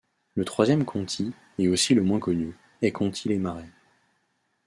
Le troisième Contis, et aussi le moins connu, est Contis les Marais.